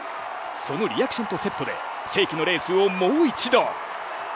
そのリアクションとセットで世紀のレースをもう一度。